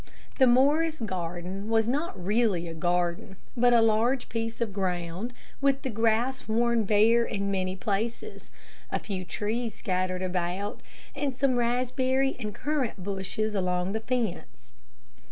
The Morris garden was really not a garden but a large piece of ground with the grass worn bare in many places, a few trees scattered about, and some raspberry and currant bushes along the fence.